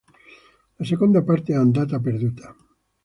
La seconda parte è andata perduta.